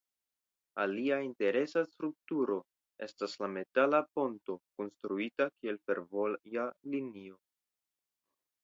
Alia interesa strukturo estas la metala ponto konstruita kiel fervoja linio.